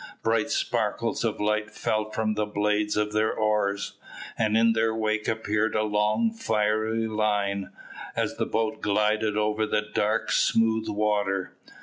Bright sparkles of light fell from the blades of their oars, and in their wake appeared a long fiery line, as the boat glided over the dark smooth water.